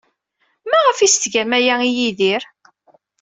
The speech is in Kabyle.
Maɣef ay as-tgam aya i Yidir?